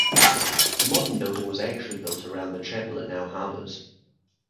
The modern building was actually built around the chapel it now harbours.